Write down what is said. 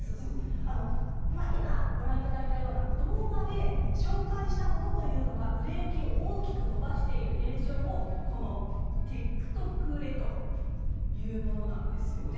今ご覧いただいた動画で紹介したものというのが売れ行きを大きく伸ばしている現象をＴｉｋＴｏｋ売れというものなんですよね。